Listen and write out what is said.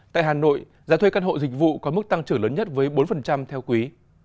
tại hà nội giá thuê căn hộ dịch vụ có mức tăng trưởng lớn nhất với bốn theo quý